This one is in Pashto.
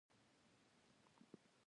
پسه د هوښیارۍ نه کم دی.